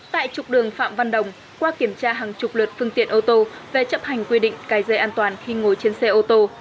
tại trục đường phạm văn đồng qua kiểm tra hàng chục lượt phương tiện ô tô về chấp hành quy định cài dây an toàn khi ngồi trên xe ô tô